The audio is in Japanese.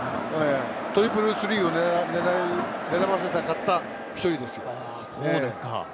トリプルスリーを狙わせたかった１人です。